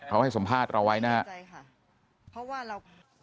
เขาให้สมฆาตเราไว้นะฮะ